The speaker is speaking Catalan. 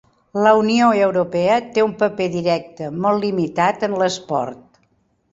La Unió Europea té un paper directe molt limitat en l'esport.